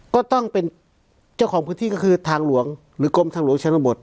ก็ต้องเป็นเจ้าของพื้นที่ก็คือทางหลวงหรือกรมทางหลวงชนบท